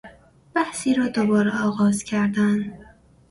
بحثی را دوباره آغاز کردن